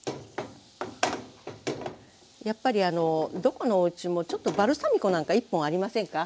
やっぱりどこのおうちもちょっとバルサミコなんか１本ありませんか？